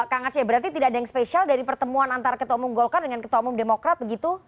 kang aceh berarti tidak ada yang spesial dari pertemuan antara ketua umum golkar dengan ketua umum demokrat begitu